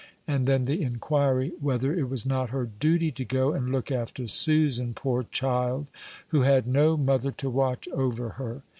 and then the inquiry, "Whether it was not her duty to go and look after Susan, poor child, who had no mother to watch over her?"